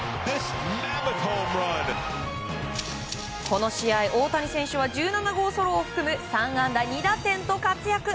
この試合、大谷選手は１７号ソロを含む３安打２打点と活躍。